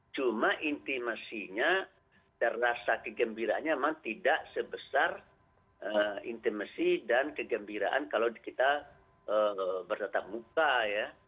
cuma intimasinya dan rasa kegembiraannya memang tidak sebesar intimasi dan kegembiraan kalau kita bertetap muka ya